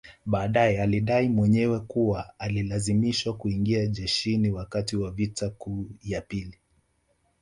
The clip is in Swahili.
Baadae alidai mwenyewe kuwa alilazimishwa kuingia jeshini wakati wa vita kuu ya pili